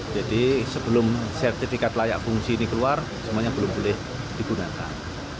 sebelum sertifikat layak fungsi ini keluar semuanya belum boleh digunakan